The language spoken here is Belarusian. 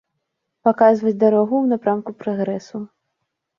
Паказваць дарогу ў напрамку прагрэсу.